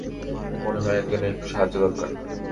মনে হয় একজনের একটু সাহায্য দরকার।